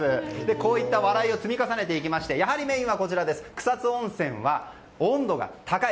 こうした笑いを積み重ねていきましてやはり今、草津温泉は温度が高い。